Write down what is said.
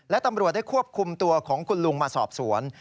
และตำรวจได้ควบคุมตัวของคุณลุงมาสอบสวน